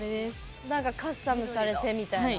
カスタムされてみたいな。